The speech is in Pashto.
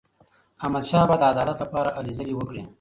احمدشاه بابا د عدالت لپاره هلې ځلې وکړې.